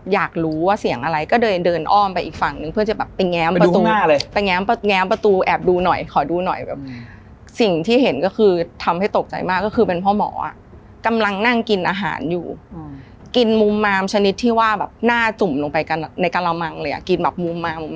อยากรู้ว่าเสียงอะไรก็เลยเดินอ้อมไปอีกฝั่งนึงเพื่อจะแบบแง๊มประตู